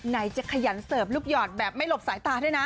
ไหนจะขยันเสิร์ฟลูกหยอดแบบไม่หลบสายตาด้วยนะ